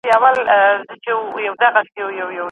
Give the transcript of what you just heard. که څېړنه په ساینس کي وي نو ګډ کار به وسي.